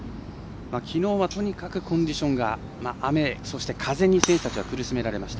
きのうはとにかくコンディションが雨そして、風に選手たちは苦しめられました。